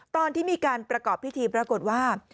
ตอนที่มีการประกอบพิธีปรากฏว่า